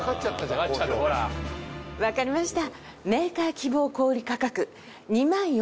分かりました。